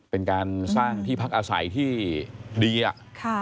เป็นการสร้างที่พักอาศัยที่ดีอะ